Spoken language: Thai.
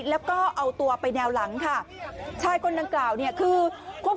แล้วก็เอาตัวไปแนวหลังชายคนนักกล่าวคือควบคุมฝุ่งชน